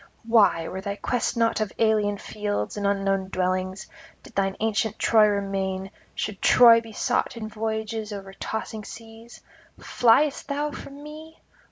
Why, were thy quest not of alien fields and unknown dwellings, did thine ancient Troy remain, should Troy be sought in voyages over tossing seas? Fliest thou from me?